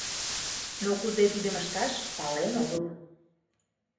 Но кузе тидым ышташ — пален огыл.